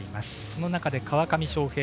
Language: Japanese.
その中で川上翔平